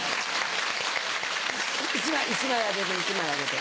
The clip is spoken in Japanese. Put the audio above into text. １枚あげて１枚あげて。